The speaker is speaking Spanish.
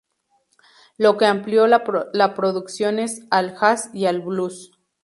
Lo que amplió la producciones al jazz y el blues.